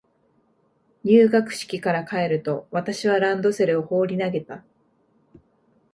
入学式から帰ると、私はランドセルを放り投げた。